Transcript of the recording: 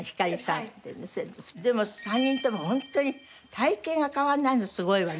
でも３人ともホントに体形が変わらないのすごいわね。